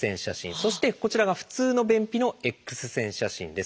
そしてこちらが普通の便秘のＸ線写真です。